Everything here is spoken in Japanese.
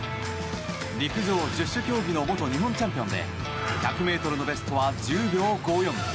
陸上十種競技の元日本チャンピオンで１００ｍのベストは１０秒５４。